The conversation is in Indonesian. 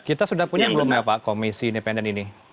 kita sudah punya belum ya pak komisi independen ini